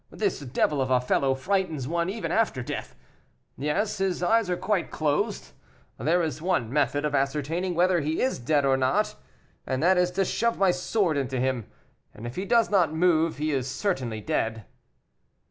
This devil of a fellow frightens one even after death. Yes, his eyes are quite closed; there is one method of ascertaining whether he is dead or not, and that is to shove my sword into him, and if he does not move, he is certainly dead."